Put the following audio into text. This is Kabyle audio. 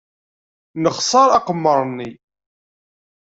Nexṣer aqemmer-nni.